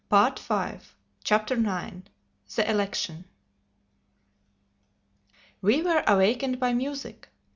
THE NINTH CHAPTER THE ELECTION WE were awakened by music.